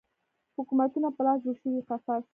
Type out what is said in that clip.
حکومتونو په لاس جوړ شوی قفس